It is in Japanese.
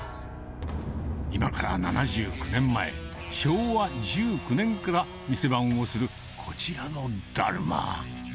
今から７９年前、昭和１９年から店番をする、こちらのだるま。